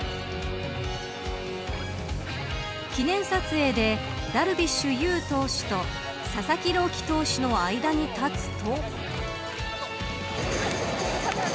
記念撮影でダルビッシュ有投手と佐々木朗希投手の間に立つと。